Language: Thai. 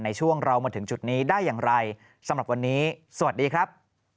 ในช่วงเรามาถึงจุดนี้ได้อย่างไรสำหรับวันนี้สวัสดีครับ